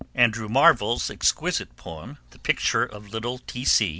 Andrew Marvell's exquisite poem The Picture of Little T.